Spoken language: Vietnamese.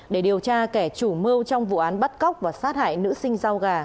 để điều tra kẻ chủ mưu trong vụ án bắt cóc và sát hại nữ sinh rau gà